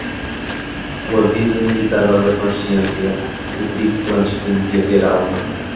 o aviso inevitável da consciência, o grito clandestino de haver alma